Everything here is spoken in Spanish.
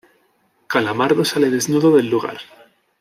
Calamardo sale desnudo del lugar.